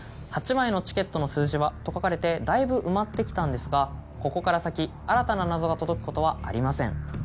「８枚のチケットの数字は」と書かれてだいぶ埋まってきたんですがここから先新たな謎が届くことはありません。